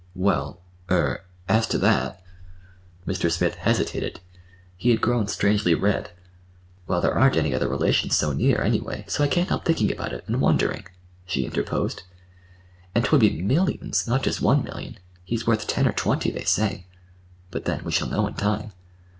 "Well—er—as to that—" Mr. Smith hesitated. He had grown strangely red. "Well, there aren't any other relations so near, anyway, so I can't help thinking about it, and wondering," she interposed. "And 'twould be millions, not just one million. He's worth ten or twenty, they say. But, then, we shall know in time."